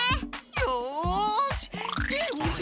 よし。